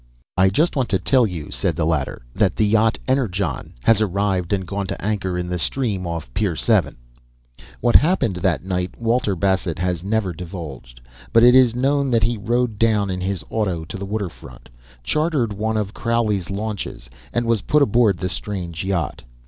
"I just wanted to tell you," said the latter, "that the yacht Energon has arrived and gone to anchor in the stream off Pier Seven." What happened that night Walter Bassett has never divulged. But it is known that he rode down in his auto to the water front, chartered one of Crowley's launches, and was put aboard the strange yacht.